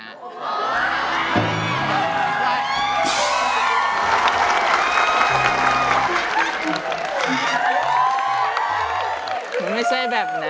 มันไม่ใช่แบบนั้น